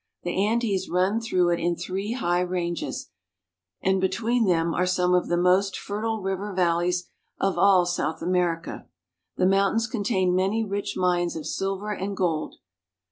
The Andes run through it in three high ranges, and between them are some of the most fertile river valleys of all South America. The mountains contain many rich mines of silver and gold.